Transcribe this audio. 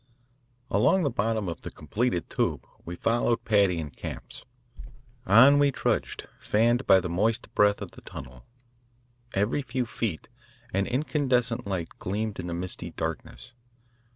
Along the bottom of the completed tube we followed Paddy and Capps. On we trudged, fanned by the moist breath of the tunnel. Every few feet an incandescent light gleamed in the misty darkness.